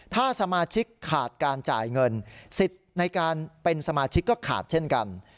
ถ้าสมาชิกขาดการจ่ายเงินสิทธิ์ในการเป็นสมาชิกก็ขาดเช่นกัน